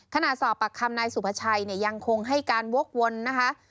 ขณะสอบปักคำนายสุภาชัยยังคงให้การวกวนนะคะ